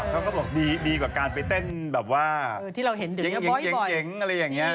เขาก็บอกดีกว่าการไปเต้นแบบว่าที่เราเห็นเหนือบ่อย